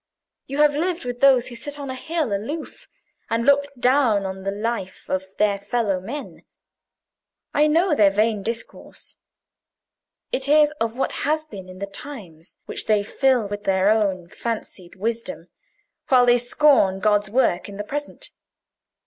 You have lived with those who sit on a hill aloof, and look down on the life of their fellow men. I know their vain discourse. It is of what has been in the times which they fill with their own fancied wisdom, while they scorn God's work in the present.